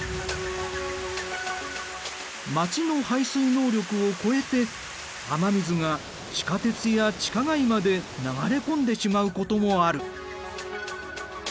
街の排水能力を超えて雨水が地下鉄や地下街まで流れ込んでしまうこともある。